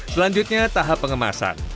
selanjutnya tahap pengemasan